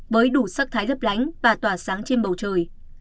với đủ sắc thái lấp lánh và tỏa sáng trên bầu trời